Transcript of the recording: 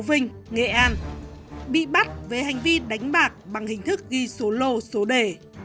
nguyễn thị kim oanh bị bắt về hành vi đánh bạc bằng hình thức ghi số lô số đề